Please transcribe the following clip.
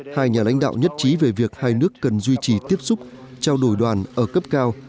hai nhà lãnh đạo nhất trí về việc hai nước cần duy trì tiếp xúc trao đổi đoàn ở cấp cao